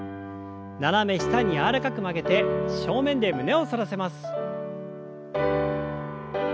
斜め下に柔らかく曲げて正面で胸を反らせます。